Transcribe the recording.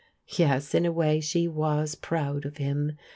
Yes, in a way she was proud of him.